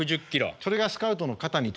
それがスカウトの肩にとまって。